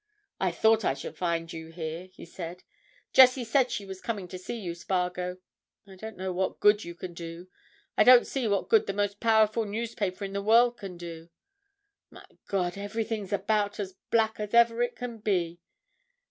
"I thought I should find you here," he said. "Jessie said she was coming to see you, Spargo. I don't know what good you can do—I don't see what good the most powerful newspaper in the world can do. My God!—everything's about as black as ever it can be.